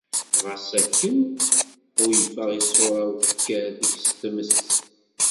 Ɣas akken, ḥulfaɣ i ssura-w tekker deg-s tmes.